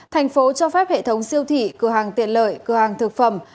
tp hcm cho phép hệ thống siêu thị cửa hàng tiện lợi cửa hàng thực phẩm